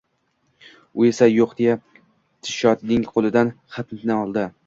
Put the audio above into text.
U esa Yo`q, deya Dilshodning qo`lidan xatini oldi